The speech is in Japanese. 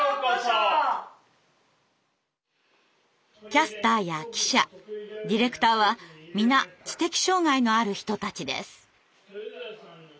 キャスターや記者ディレクターは皆知的障害のある人たちです。